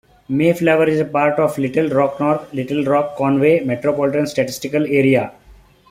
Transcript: Mayflower is part of the Little Rock-North Little Rock-Conway Metropolitan Statistical Area.